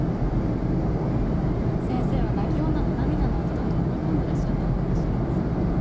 先生は泣き女の涙の跡だと思い込んでらっしゃったのかもしれません。